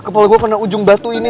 kepala gue pernah ujung batu ini